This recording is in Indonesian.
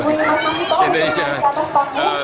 itu bagus kalau